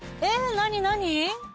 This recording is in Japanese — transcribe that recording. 何何？